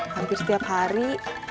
hampir setiap hari